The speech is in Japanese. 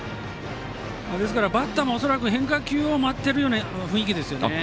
バッターも恐らく、変化球を待っている雰囲気ですよね。